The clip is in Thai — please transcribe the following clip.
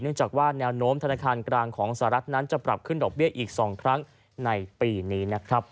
จากว่าแนวโน้มธนาคารกลางของสหรัฐนั้นจะปรับขึ้นดอกเบี้ยอีก๒ครั้งในปีนี้นะครับ